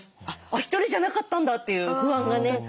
あっ１人じゃなかったんだっていう不安がね